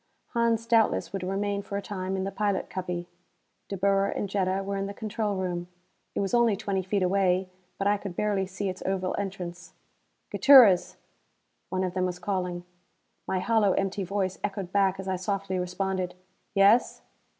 Hans doubtless would remain for a time in the pilot cubby; De Boer and Jetta were in the control room. It was only twenty feet away, but I could barely see its oval entrance. "Gutierrez!" One of them was calling. My hollow empty voice echoed back as I softly responded: "Yes?"